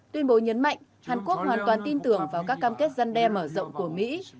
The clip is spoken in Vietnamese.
tuyên bố nhấn mạnh hàn quốc hoàn toàn tin tưởng vào các cam kết răn đe mở rộng của mỹ